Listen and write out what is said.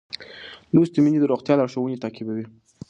لوستې میندې د روغتیا لارښوونې تعقیبوي.